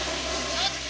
ちょっと！